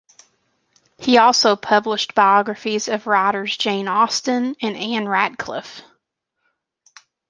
He also published biographies of writers Jane Austen and Ann Radcliffe.